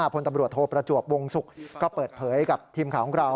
พลตำรวจโทประจวบวงศุกร์ก็เปิดเผยกับทีมข่าวของเรา